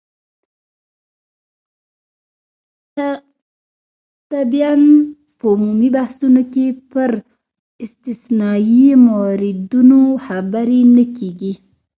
طبعاً په عمومي بحثونو کې پر استثنايي موردونو خبرې نه کېږي.